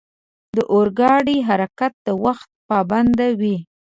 د اورګاډي حرکت د وخت پابند وي.